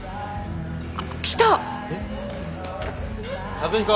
・和彦